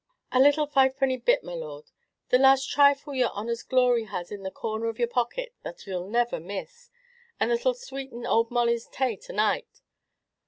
"A little fivepenny bit, my lord the last trifle your honor's glory has in the corner of your pocket, that you 'll never miss, and that 'll sweeten ould Molly's tay to night?